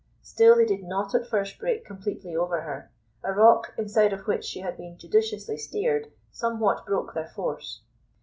Still they did not at first break completely over her; a rock, inside of which she had been judiciously steered, somewhat broke their force.